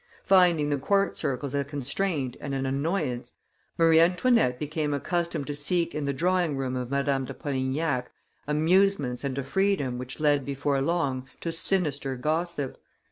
Finding the court circles a constraint and an annoyance, Marie Antoinette became accustomed to seek in the drawing room of Madame de Polignac amusements and a freedom which led before long to sinister gossip.